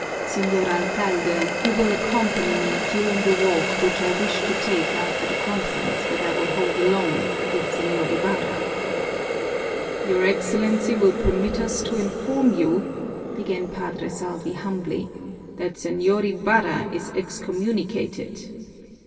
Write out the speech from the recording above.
Señor Alcalde, you will accompany me during the walk which I wish to take after the conference that I will hold alone with Señor Ibarra." "Your Excellency will permit us to inform you," began Padre Salvi humbly, "that Señor Ibarra is excommunicated."